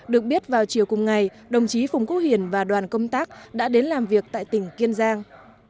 được biết vào chiều cùng ngày đồng chí phùng quốc hiển và đoàn công tác đã đến làm việc tại tỉnh kiên giang